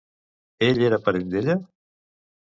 Ell era parent d'ella?